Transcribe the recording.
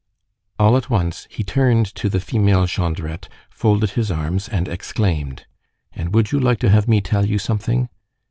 All at once, he turned to the female Jondrette, folded his arms and exclaimed:— "And would you like to have me tell you something?